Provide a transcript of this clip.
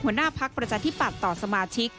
หัวหน้าพักประชาธิปัตย์ต่อสมาชิก